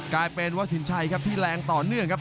กลายเป็นว่าสินชัยครับที่แรงต่อเนื่องครับ